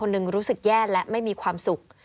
ดีเป็นความสุข